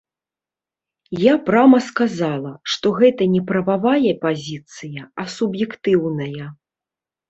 Я прама сказала, што гэта не прававая пазіцыя, а суб'ектыўная.